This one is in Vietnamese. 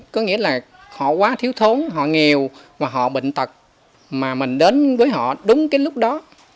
có nghĩa là họ quá thiếu thốn họ nghèo và họ bệnh tật mà mình đến với họ đúng cái lúc đó